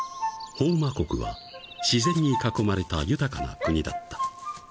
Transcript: ［ホウマ国は自然に囲まれた豊かな国だった］